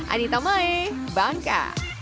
adita mae bangka